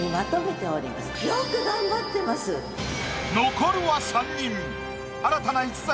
残るは３人。